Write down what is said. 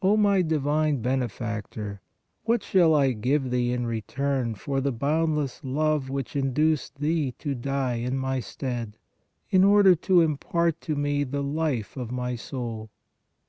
O my divine Benefactor, what shall I give Thee in return for the boundless love which induced Thee to die in my stead, in order to impart to me the life of my soul?